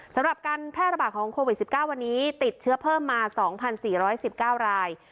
สำหรับการแพร่ระบาดของโควิด๑๙วันนี้ติดเชื้อเพิ่มมา๒๔๑๙ราย